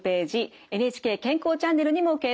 「ＮＨＫ健康チャンネル」にも掲載されます。